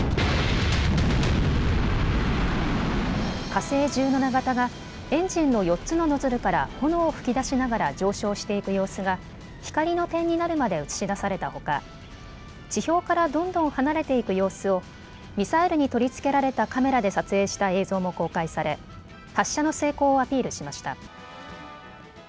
火星１７型が、エンジンの４つのノズルから炎を噴き出しながら上昇していく様子が、光の点になるまで映し出されたほか、地表からどんどん離れていく様子を、ミサイルに取り付けられたカメラで撮影した映像も公開され、発射の成功をアピールしました。